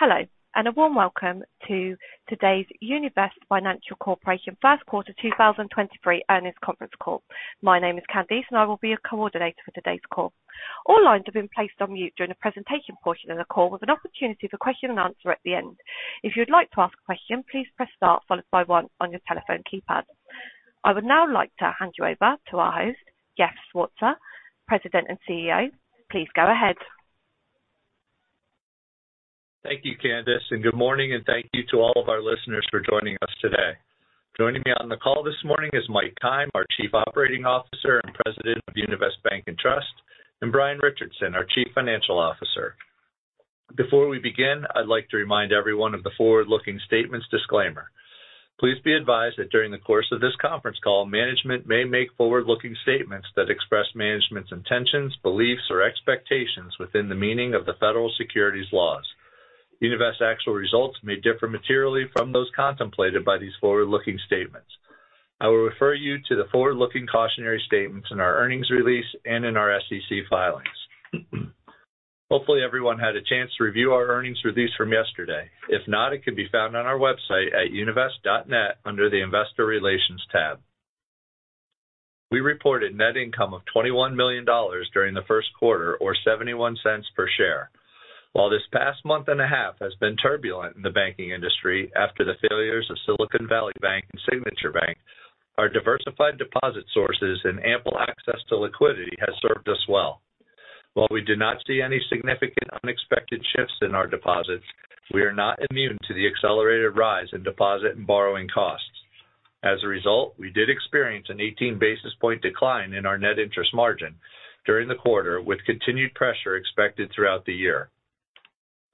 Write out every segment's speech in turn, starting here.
Hello, a warm welcome to today's Univest Financial Corporation first quarter 2023 earnings conference call. My name is Candice, I will be your coordinator for today's call. All lines have been placed on mute during the presentation portion of the call with an opportunity for question and answer at the end. If you'd like to ask a question, please press star followed by one on your telephone keypad. I would now like to hand you over to our host, Jeff Schweitzer, President and CEO. Please go ahead. Thank you, Candice, and good morning and thank you to all of our listeners for joining us today. Joining me on the call this morning is Mike Keim, our Chief Operating Officer and President of Univest Bank and Trust, and Brian Richardson, our Chief Financial Officer. Before we begin, I'd like to remind everyone of the forward-looking statements disclaimer. Please be advised that during the course of this conference call, management may make forward-looking statements that express management's intentions, beliefs, or expectations within the meaning of the Federal Securities laws. Univest's actual results may differ materially from those contemplated by these forward-looking statements. I will refer you to the forward-looking cautionary statements in our earnings release and in our SEC filings. Hopefully, everyone had a chance to review our earnings release from yesterday. If not, it could be found on our website at univest.net under the Investor Relations tab. We reported net income of $21 million during the first quarter or $0.71 per share. While this past month and a half has been turbulent in the banking industry after the failures of Silicon Valley Bank and Signature Bank, our diversified deposit sources and ample access to liquidity has served us well. While we did not see any significant unexpected shifts in our deposits, we are not immune to the accelerated rise in deposit and borrowing costs. We did experience an 18 basis point decline in our net interest margin during the quarter, with continued pressure expected throughout the year.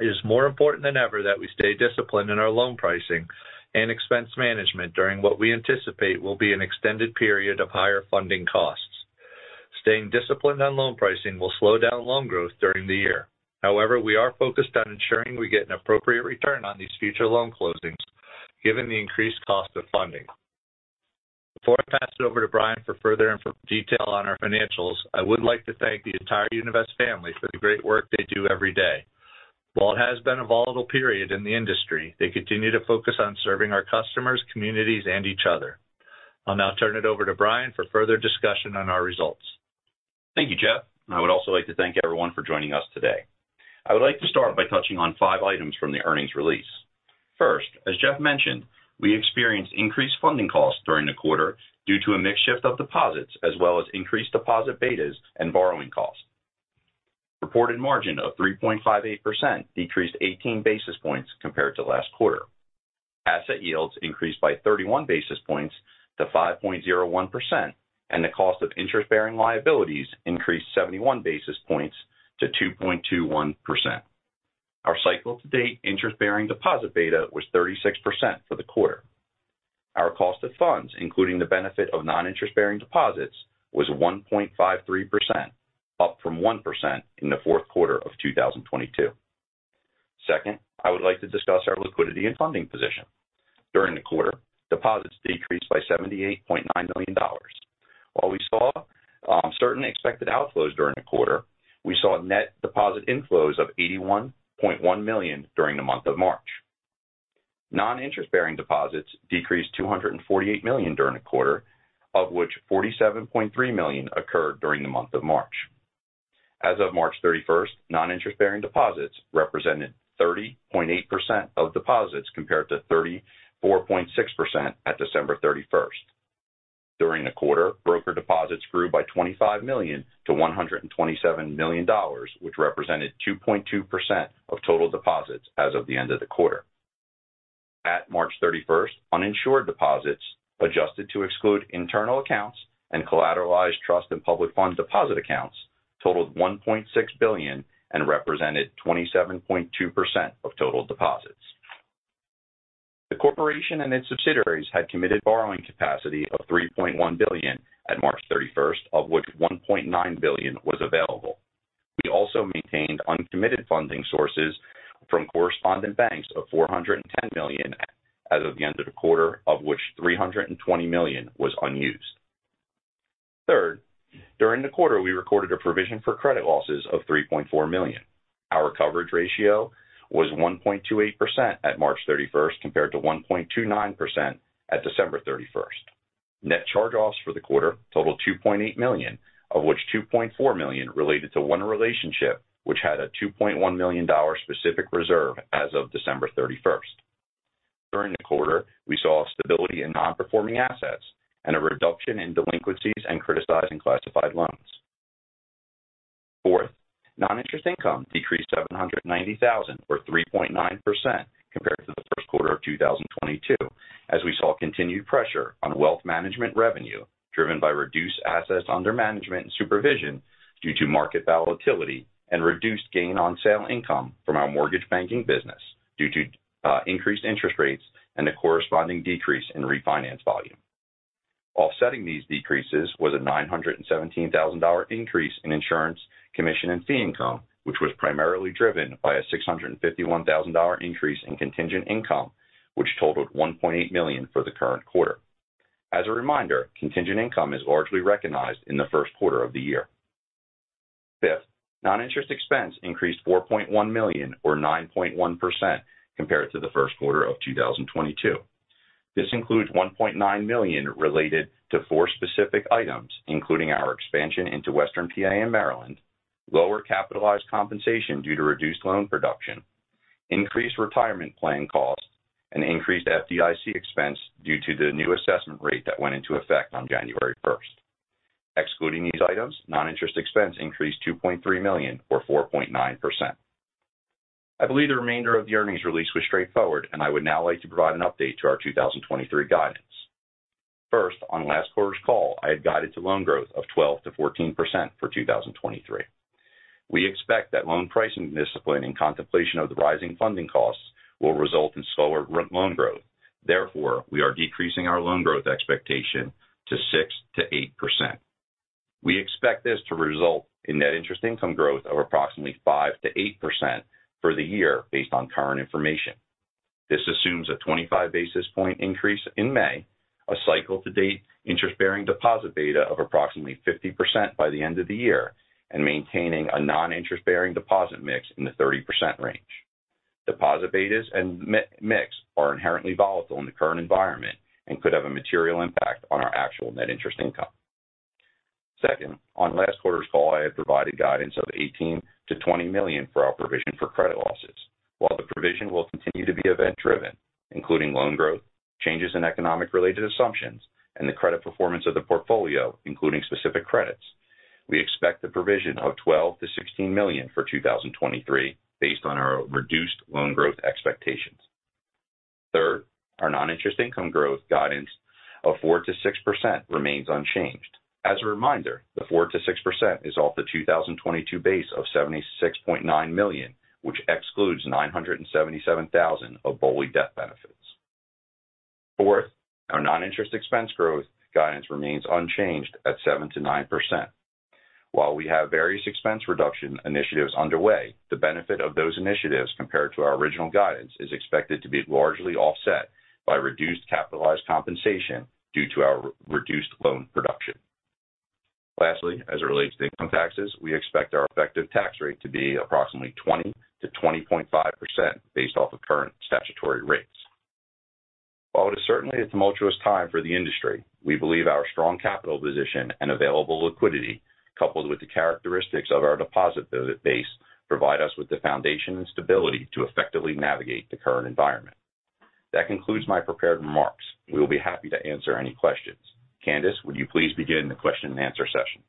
It is more important than ever that we stay disciplined in our loan pricing and expense management during what we anticipate will be an extended period of higher funding costs. Staying disciplined on loan pricing will slow down loan growth during the year. However, we are focused on ensuring we get an appropriate return on these future loan closings given the increased cost of funding. Before I pass it over to Brian for further detail on our financials, I would like to thank the entire Univest family for the great work they do every day. While it has been a volatile period in the industry, they continue to focus on serving our customers, communities, and each other. I'll now turn it over to Brian for further discussion on our results. Thank you, Jeff. I would also like to thank everyone for joining us today. I would like to start by touching on five items from the earnings release. First, as Jeff mentioned, we experienced increased funding costs during the quarter due to a mix shift of deposits as well as increased deposit betas and borrowing costs. Reported margin of 3.58% decreased 18 basis points compared to last quarter. Asset yields increased by 31 basis points to 5.01%, and the cost of interest-bearing liabilities increased 71 basis points to 2.21%. Our cycle to date interest-bearing deposit beta was 36% for the quarter. Our cost of funds, including the benefit of non-interest bearing deposits, was 1.53%, up from 1% in the fourth quarter of 2022. Second, I would like to discuss our liquidity and funding position. During the quarter, deposits decreased by $78.9 million. While we saw certain expected outflows during the quarter, we saw net deposit inflows of $81.1 million during the month of March. Non-interest bearing deposits decreased $248 million during the quarter, of which $47.3 million occurred during the month of March. As of March 31st, non-interest bearing deposits represented 30.8% of deposits compared to 34.6% at December 31st. During the quarter, broker deposits grew by $25 million-$127 million which represented 2.2% of total deposits as of the end of the quarter. At March 31st, uninsured deposits adjusted to exclude internal accounts and collateralized trust and public funds deposit accounts totaled $1.6 billion and represented 27.2% of total deposits. The corporation and its subsidiaries had committed borrowing capacity of $3.1 billion at March 31st, of which $1.9 billion was available. We also maintained uncommitted funding sources from correspondent banks of $410 million as of the end of the quarter, of which $320 million was unused. Third, during the quarter, we recorded a provision for credit losses of $3.4 million. Our coverage ratio was 1.28% at March 31st, compared to 1.29% at December 31st. Net charge-offs for the quarter totaled $2.8 million, of which $2.4 million related to one relationship, which had a $2.1 million specific reserve as of December 31st. During the quarter, we saw stability in non-performing assets and a reduction in delinquencies and criticizing classified loans. Fourth, non-interest income decreased $790,000 or 3.9% compared to the first quarter of 2022, as we saw continued pressure on wealth management revenue driven by reduced assets under management and supervision due to market volatility and reduced gain on sale income from our mortgage banking business due to increased interest rates and the corresponding decrease in refinance volume. Offsetting these decreases was a $917,000 increase in insurance, commission, and fee income, which was primarily driven by a $651,000 increase in contingent income, which totaled $1.8 million for the current quarter. As a reminder, contingent income is largely recognized in the first quarter of the year. Fifth, non-interest expense increased $4.1 million or 9.1% compared to the first quarter of 2022. This includes $1.9 million related to four specific items, including our expansion into Western PA and Maryland, lower capitalized compensation due to reduced loan production, increased retirement plan costs, and increased FDIC expense due to the new assessment rate that went into effect on January 1st. Excluding these items, non-interest expense increased $2.3 million or 4.9%. I believe the remainder of the earnings release was straightforward. I would now like to provide an update to our 2023 guidance. First, on last quarter's call, I had guided to loan growth of 12%-14% for 2023. We expect that loan pricing discipline in contemplation of the rising funding costs will result in slower loan growth. We are decreasing our loan growth expectation to 6%-8%. We expect this to result in net interest income growth of approximately 5%-8% for the year based on current information. This assumes a 25 basis point increase in May, a cycle to date interest-bearing deposit beta of approximately 50% by the end of the year and maintaining a non-interest-bearing deposit mix in the 30% range. Deposit betas and mix are inherently volatile in the current environment and could have a material impact on our actual net interest income. Second, on last quarter's call, I had provided guidance of $18 million-$20 million for our provision for credit losses. While the provision will continue to be event-driven, including loan growth, changes in economic-related assumptions, and the credit performance of the portfolio, including specific credits, we expect the provision of $12 million-$16 million for 2023 based on our reduced loan growth expectations. Third, our non-interest income growth guidance of 4%-6% remains unchanged. As a reminder, the 4%-6% is off the 2022 base of $76.9 million, which excludes $977,000 of BOLI debt benefits. Fourth, our non-interest expense growth guidance remains unchanged at 7%-9%. While we have various expense reduction initiatives underway, the benefit of those initiatives compared to our original guidance is expected to be largely offset by reduced capitalized compensation due to our reduced loan production. Lastly, as it relates to income taxes, we expect our effective tax rate to be approximately 20%-20.5% based off of current statutory rates. While it is certainly a tumultuous time for the industry, we believe our strong capital position and available liquidity, coupled with the characteristics of our deposit base, provide us with the foundation and stability to effectively navigate the current environment. That concludes my prepared remarks. We will be happy to answer any questions. Candice, would you please begin the question and answer session?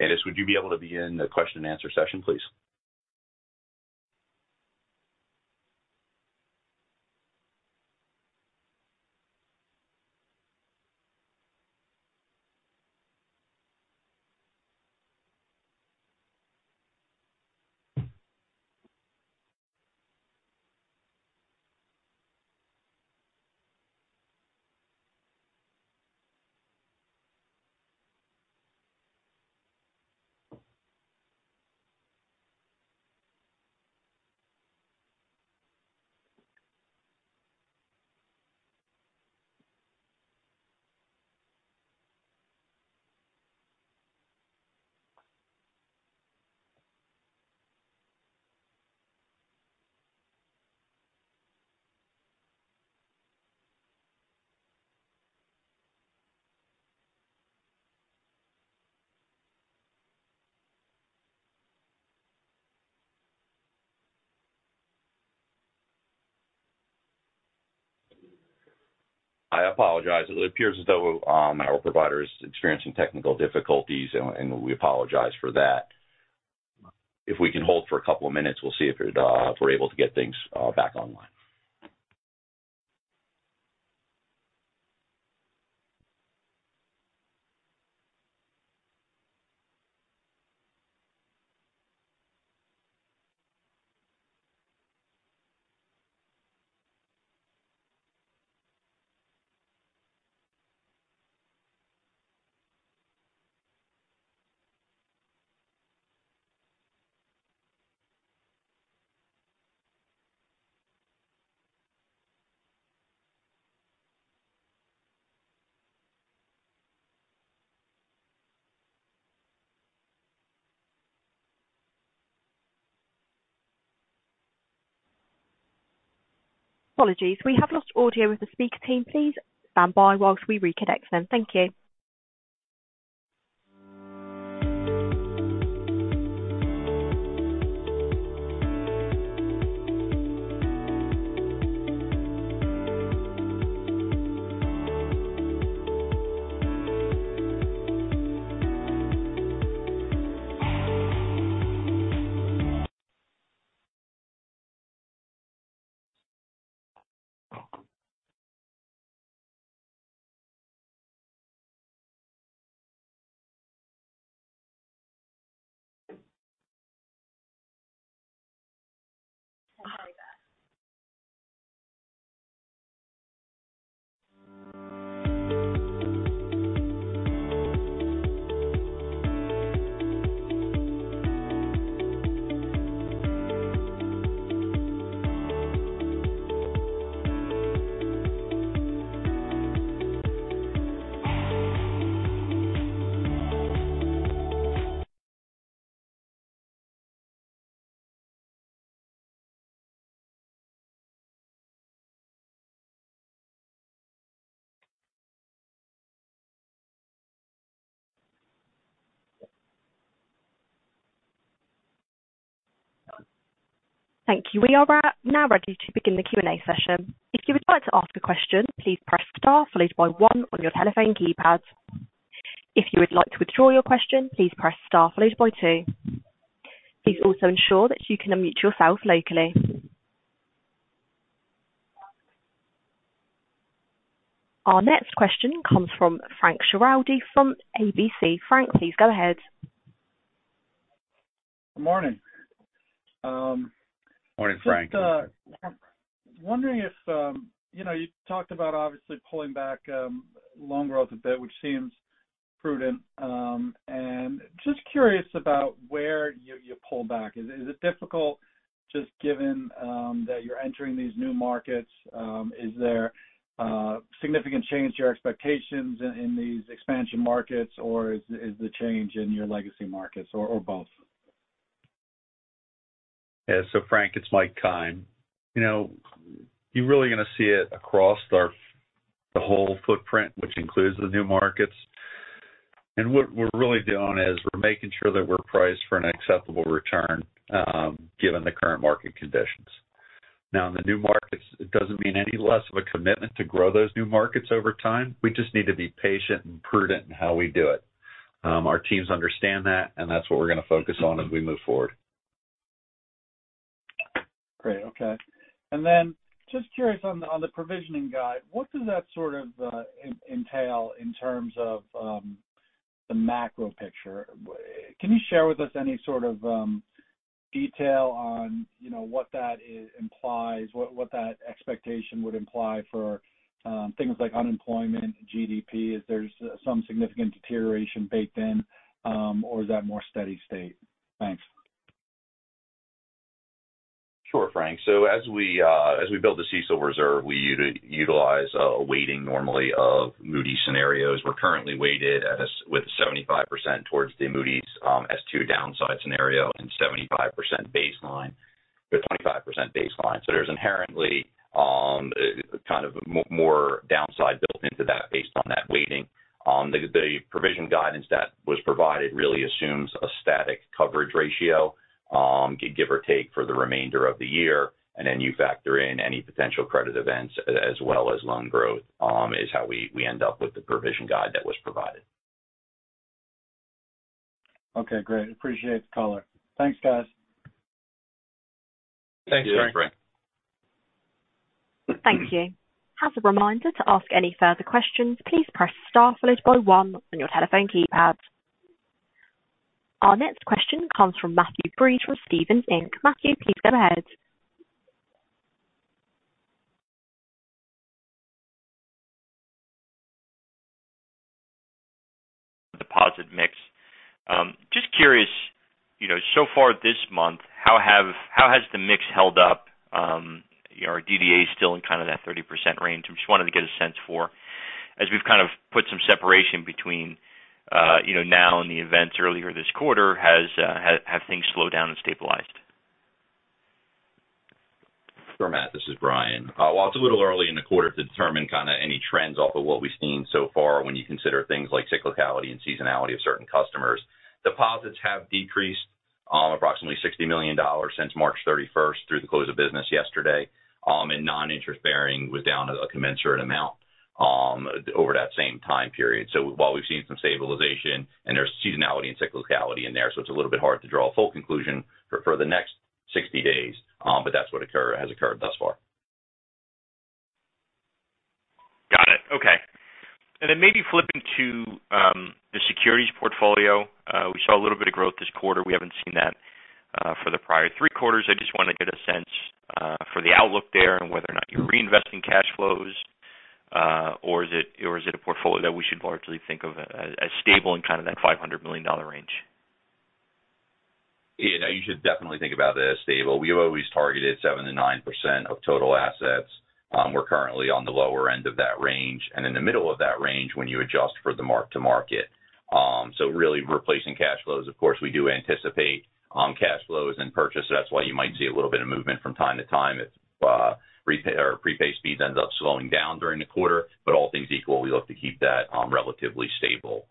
Candice, would you be able to begin the question and answer session, please? I apologize. It appears as though our provider is experiencing technical difficulties and we apologize for that. If we can hold for a couple of minutes, we'll see if it, if we're able to get things back online. Apologies, we have lost audio of the speaker team. Please stand by while we reconnect them. Thank you. Thank you. We are now ready to begin the Q&A session. If you would like to ask a question, please press star followed by one on your telephone keypad. If you would like to withdraw your question, please press star followed by two. Please also ensure that you can unmute yourself locally. Our next question comes from Frank Schiraldi from ABC. Frank, please go ahead. Good morning. Morning, Frank. Just, wondering if, you know, you talked about obviously pulling back, loan growth a bit, which seems prudent. Just curious about where you pulled back. Is it difficult just given that you're entering these new markets? Is there a significant change to your expectations in these expansion markets, or is the change in your legacy markets or both? Yeah. Frank, it's Mike Keim. You know, you're really gonna see it across the whole footprint, which includes the new markets. What we're really doing is we're making sure that we're priced for an acceptable return, given the current market conditions. Now, in the new markets, it doesn't mean any less of a commitment to grow those new markets over time. We just need to be patient and prudent in how we do it. Our teams understand that, and that's what we're gonna focus on as we move forward. Great. Okay. And then just curious on the provisioning guide, what does that sort of entail in terms of the macro picture? Can you share with us any sort of detail on, you know, what that implies, what that expectation would imply for things like unemployment, GDP? Is there some significant deterioration baked in, or is that more steady-state? Thanks. Sure, Frank. As we build the CECL reserve, we utilize a weighting normally of Moody's scenarios. We're currently weighted at a with 75% towards the Moody's S2 downside scenario and 75% baseline or 25% baseline. There's inherently kind of more downside built into that based on that weighting. The provision guidance that was provided really assumes a static coverage ratio, give or take for the remainder of the year. You factor in any potential credit events as well as loan growth, is how we end up with the provision guide that was provided. Okay, great. Appreciate the color. Thanks, guys. Thanks, Frank. Thank you. As a reminder to ask any further questions, please press star followed by one on your telephone keypad. Our next question comes from Matthew Breese from Stephens Inc. Matthew, please go ahead. Deposit mix. Just curious, you know, so far this month, how has the mix held up? Your DDA is still in kind of that 30% range. I just wanted to get a sense for as we've kind of put some separation between, you know, now and the events earlier this quarter has things slowed down and stabilized? Sure, Matt, this is Brian. While it's a little early in the quarter to determine kind of any trends off of what we've seen so far when you consider things like cyclicality and seasonality of certain customers. Deposits have decreased, approximately $60 million since March 31st through the close of business yesterday. Non-interest-bearing was down a commensurate amount over that same time period. While we've seen some stabilization and there's seasonality and cyclicality in there, so it's a little bit hard to draw a full conclusion for the next 60 days. That's what has occurred thus far. Got it. Okay. Then maybe flipping to the securities portfolio. We saw a little bit of growth this quarter. We haven't seen that for the prior three quarters. I just want to get a sense for the outlook there and whether or not you're reinvesting cash flows, or is it a portfolio that we should largely think of as stable in kind of that $500 million range? Yeah, no, you should definitely think about it as stable. We've always targeted 7%-9% of total assets. We're currently on the lower end of that range and in the middle of that range when you adjust for the mark-to-market. Really replacing cash flows. Of course, we do anticipate, cash flows and purchases. That's why you might see a little bit of movement from time to time if prepay speeds end up slowing down during the quarter. All things equal, we look to keep that, relatively stable,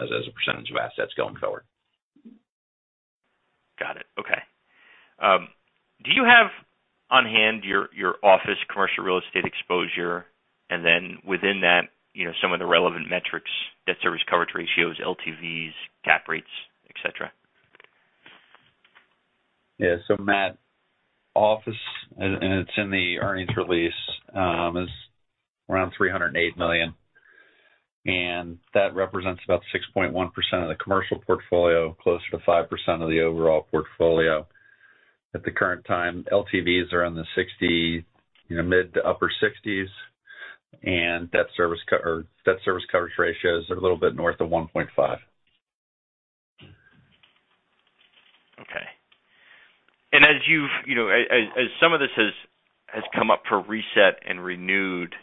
as a percentage of assets going forward. Got it. Okay. Do you have on hand your office commercial real estate exposure and then within that, you know, some of the relevant metrics, debt service coverage ratios, LTVs, cap rates, et cetera? Yeah. Matt, office, and it's in the earnings release, is around $308 million, and that represents about 6.1% of the commercial portfolio, closer to 5% of the overall portfolio. At the current time, LTVs are in the you know, mid to upper sixties and debt service coverage ratios are a little bit north of 1.5. Okay. You know, as some of this has come up for reset and renewed,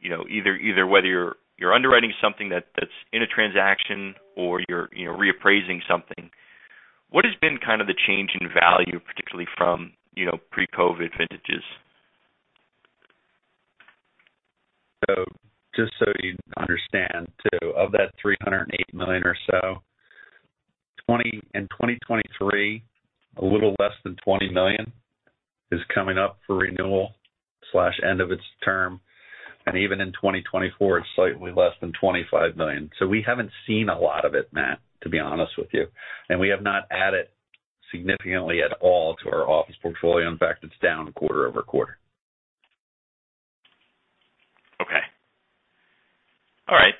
you know, either whether you're underwriting something that's in a transaction or you're, you know, reappraising something, what has been kind of the change in value, particularly from, you know, pre-COVID vintages? Just so you understand too, of that $308 million or so, in 2023, a little less than $20 million is coming up for renewal/end of its term. Even in 2024, it's slightly less than $25 million. We haven't seen a lot of it, Matt, to be honest with you. We have not added significantly at all to our office portfolio. In fact, it's down quarter-over-quarter. Okay. All right.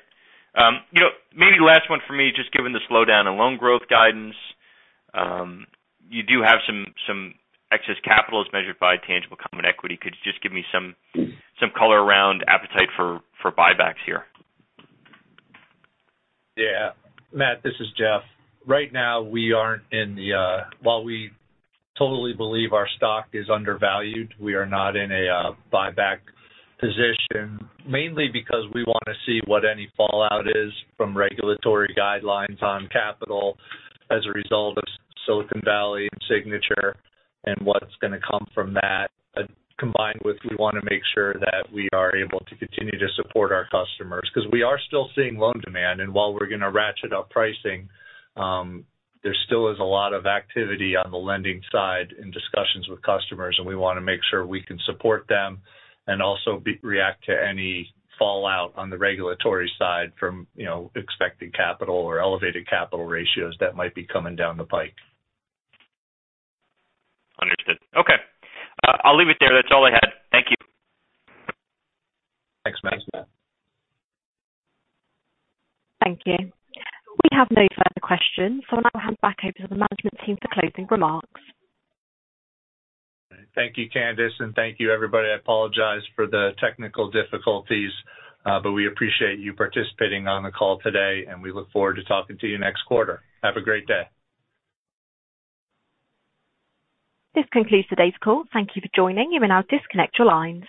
You know, maybe last one for me, just given the slowdown in loan growth guidance, you do have some excess capital as measured by tangible common equity. Could you just give me some color around appetite for buybacks here? Yeah. Matt, this is Jeff. Right now, we aren't in the. While we totally believe our stock is undervalued, we are not in a buyback position, mainly because we wanna see what any fallout is from regulatory guidelines on capital as a result of Silicon Valley and Signature and what's gonna come from that, combined with we wanna make sure that we are able to continue to support our customers. 'Cause we are still seeing loan demand, and while we're gonna ratchet up pricing, there still is a lot of activity on the lending side in discussions with customers, and we wanna make sure we can support them and also react to any fallout on the regulatory side from, you know, expected capital or elevated capital ratios that might be coming down the pike. Understood. Okay. I'll leave it there. That's all I had. Thank you. Thanks, Matt. Thanks, Matt. Thank you. We have no further questions, so I'll now hand back over to the management team for closing remarks. Thank you, Candice, and thank you, everybody. I apologize for the technical difficulties, but we appreciate you participating on the call today, and we look forward to talking to you next quarter. Have a great day. This concludes today's call. Thank you for joining. You may now disconnect your lines.